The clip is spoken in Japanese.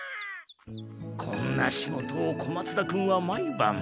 こんな仕事を小松田君は毎ばん。